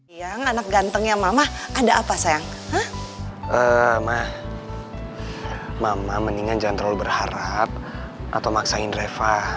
yang anak gantengnya mama ada apa sayang ma ma mendingan jantrol berharap atau maksain reva